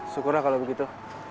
syukurnya kalau begitu